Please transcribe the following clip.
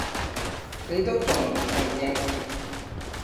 你都仲唔承認！